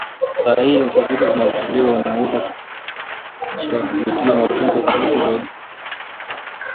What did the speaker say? usahihi wa taarifa zinazotolewa unaweza kuimarishwa kupitia mafunzo kuhusu dalili za magonjwa